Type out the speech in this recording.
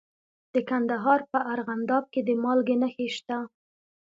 د کندهار په ارغنداب کې د مالګې نښې شته.